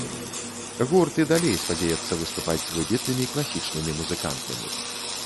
Гурт і далей спадзяецца выступаць з выбітнымі класічнымі музыкантамі.